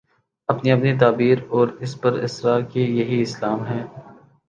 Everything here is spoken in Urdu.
اپنی اپنی تعبیر اور اس پر اصرار کہ یہی اسلام ہے۔